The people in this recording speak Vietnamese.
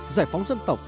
giải phóng dân tộc